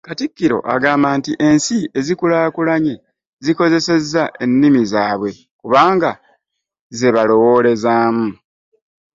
Katikkiro agamba nti ensi ezikulaakulanye zikozesezza ennimi zaabwe kubanga ze balowoolezaamu